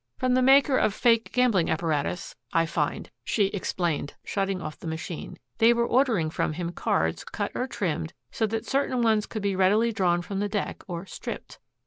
"From the maker of fake gambling apparatus, I find," she explained, shutting off the machine. "They were ordering from him cards cut or trimmed so that certain ones could be readily drawn from the deck, or 'stripped.'